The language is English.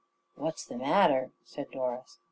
"What's the matter?" said Doris.